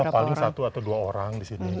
paling satu atau dua orang disini